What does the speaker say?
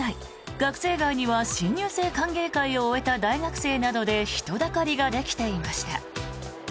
学生街には新入生歓迎会を終えた大学生などで人だかりができていました。